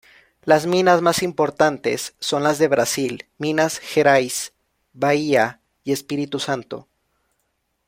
Las minas más importantes son las de Brasil: Minas Gerais, Bahía y Espíritu Santo.